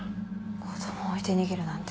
子供を置いて逃げるなんて。